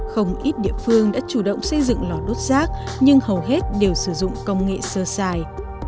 không ít địa phương đã chủ động xây dựng lò đốt rác nhưng hầu hết đều sử dụng công nghệ sơ xài